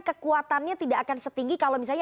kekuatannya tidak akan setinggi kalau misalnya